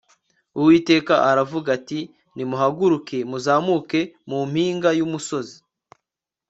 uwiteka aravuga ati nimuhaguruke muzamuke mumpnga y'umusozi